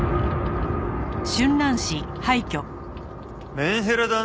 メンヘラだな。